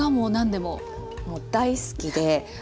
もう大好きで。